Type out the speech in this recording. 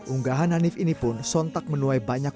unggahan hanif ini pun sontak menuai banyak